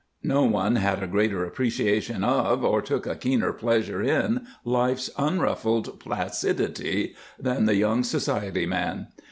No one had a greater appreciation of, or took a keener pleasure in, life's unruffled placidity than the young society man.